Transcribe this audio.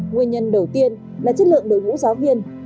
nguyên nhân đầu tiên là chất lượng đội ngũ giáo viên